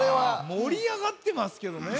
もりあがってますけどねえ。